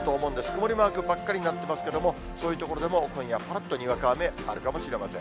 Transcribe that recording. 曇りマークばっかりになってますけれども、そういう所でも今夜、ぱらっとにわか雨あるかもしれません。